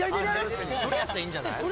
それやったらいいんじゃない？